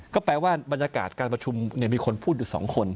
ก็แปลว่าบรรยากาศการประชุมมีคนพูดอยู่๒คน